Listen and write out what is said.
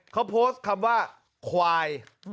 เขาโพสต์คำว่าควาย